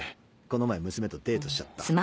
この前娘とデートしちゃった。